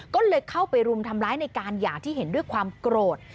ก็เลยเข้าไปรุมทำร้ายในการอย่างที่เห็นด้วยความโกรธ